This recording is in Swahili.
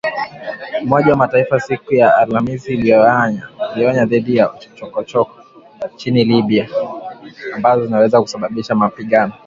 Umoja wa Mataifa siku ya Alhamisi ilionya dhidi ya “chokochoko” nchini Libya ambazo zinaweza kusababisha mapigano